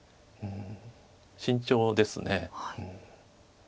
うん慎重ですね。